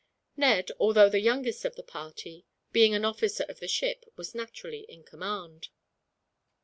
Ned, although the youngest of the party, being an officer of the ship, was naturally in command.